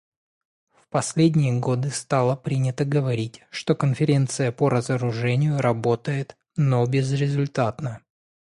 В последние годы стало принято говорить, что Конференция по разоружению работает, но безрезультатно.